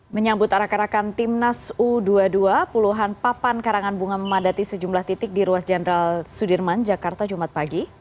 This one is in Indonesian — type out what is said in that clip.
menyambut arak arakan timnas u dua puluh dua puluhan papan karangan bunga memadati sejumlah titik di ruas jenderal sudirman jakarta jumat pagi